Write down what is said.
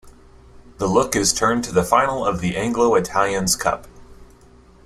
The look is turned to the final of the Anglo-Italian's Cup.